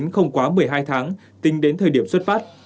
không quá một mươi hai tháng tính đến thời điểm xuất phát